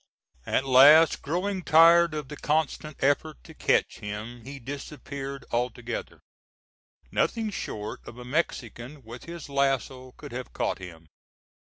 At last, growing tired of the constant effort to catch him, he disappeared altogether. Nothing short of a Mexican with his lasso could have caught him.